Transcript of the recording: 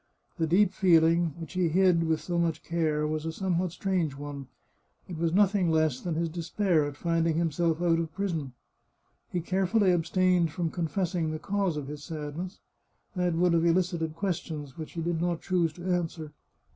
The deep feeling which he hid with so much care was a somewhat strange one — it was nothing less than his despair at finding himself out of prison. He carefully abstained from confessing the cause of his sadness ; that would have elicited questions which he did not choose to answer.